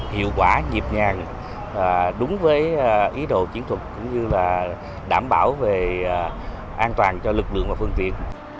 hiệu quả nhịp nhàng đúng với ý đồ chiến thuật cũng như là đảm bảo về an toàn cho lực lượng và phương tiện